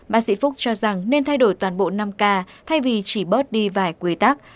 bác sĩ phúc cho rằng nên thay đổi toàn bộ năm k thay vì chỉ bớt đi vài quy tắc